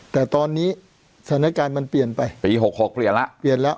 แต่ตอนนี้ศนการมันเปลี่ยนไปปี๑๖หกเปลี่ยนล่ะ